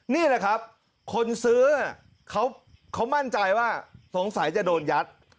นี่แหละครับคนซื้อเขามั่นใจว่าสงสัยจะโดนยัด